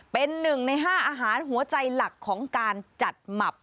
เป็น๑ใน๕อาหารหัวใจหลักของการจัดหมับ